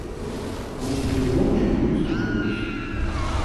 Мы сидели молча и прислушивались.